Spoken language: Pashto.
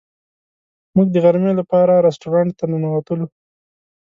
موږ د غرمې لپاره رسټورانټ ته ننوتلو.